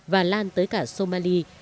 và lan tới cả somali